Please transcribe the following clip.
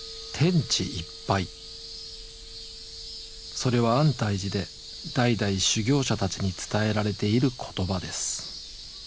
それは安泰寺で代々修行者たちに伝えられている言葉です。